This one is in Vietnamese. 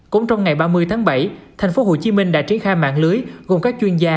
cũng trong ngày ba mươi tháng bảy thành phố hồ chí minh đã triển khai mạng lưới gồm các chuyên gia